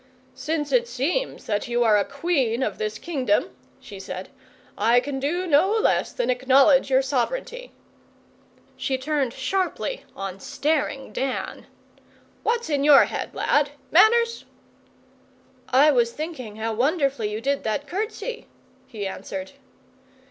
'Since it seems that you are a Queen of this Kingdom,' she said, 'I can do no less than acknowledge your sovereignty.' She turned sharply on staring Dan. 'What's in your head, lad? Manners?' 'I was thinking how wonderfully you did that curtsy,' he answered.